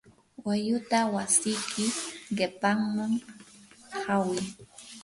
walluta wasiyki qipamman hawi.